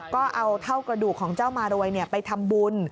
ก็เอาเท่ากระดูกของเจ้ามารวยไปทำบุญ